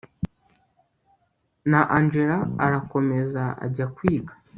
na angella arakomeza ajya kwiga